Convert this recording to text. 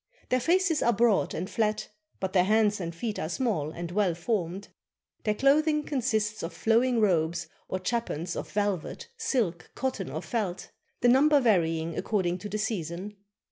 Their faces are broad and flat, but their hands and feet are small and well formed. Their cloth ing consists of flowing robes or chapans of velvet, silk, cotton, or felt, the number varying according to the season.